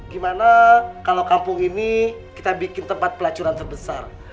gimana kalau kampung ini kita bikin tempat pelacuran terbesar